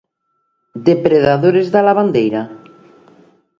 Depredadores da lavandeira?